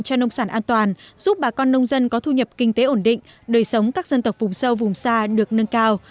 cho nông sản an toàn giúp bà con nông dân có thu nhập kinh tế ổn định đời sống các dân tộc vùng sâu vùng xa được nâng cao